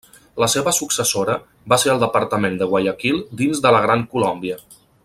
La seva successora va ser el Departament de Guayaquil dins de la Gran Colòmbia.